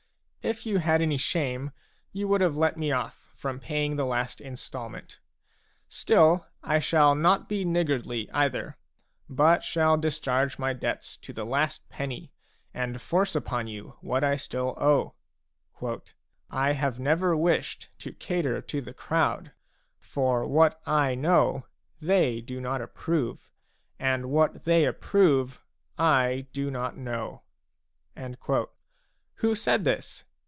If you had any shame, you would have let me off from paying the last instalment. Still, I shall not be niggardly either, but shall discharge my debts to the last penny and force upon you what I still owe : "I have never wished to cater to the crowd; for what I know, they do not approve, and what they approve, I do not know." a "Who said this?"